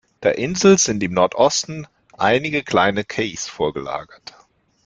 Der Insel sind im Nordosten einige kleine Cays vorgelagert.